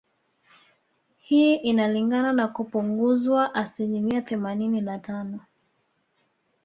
Hii inalingana na kupunguzwa asilimia themanini na tano